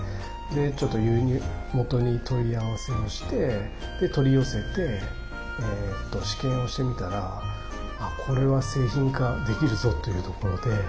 輸入元に問い合わせをして取り寄せて試験をしてみたらこれは製品化できるぞというところで。